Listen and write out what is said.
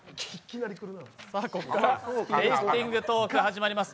ここからテイスティングトーク、始まります。